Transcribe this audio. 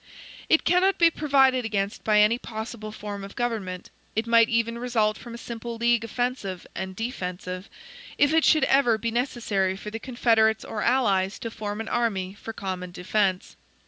It cannot be provided against by any possible form of government; it might even result from a simple league offensive and defensive, if it should ever be necessary for the confederates or allies to form an army for common defense.